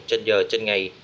trên giờ trên ngày